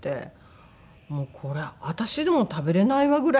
これ私でも食べれないわぐらいの量で。